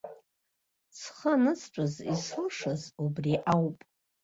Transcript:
Схы аныстәыз исылшаз убри ауп.